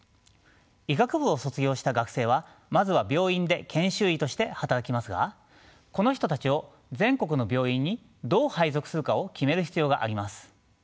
医学部を卒業した学生はまずは病院で研修医として働きますがこの人たちを全国の病院にどう配属するかを決める必要があります。